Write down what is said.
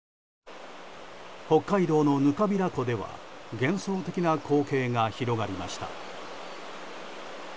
北海道の糠平湖では幻想的な光景が広がりました。